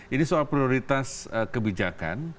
ini soal prioritas kebijakan